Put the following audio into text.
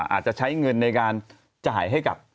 อาจจะใช้เงินในการจ่ายให้กับ